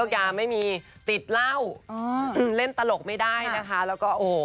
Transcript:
ยาไม่มีติดเหล้าเล่นตลกไม่ได้นะคะแล้วก็โอ้โห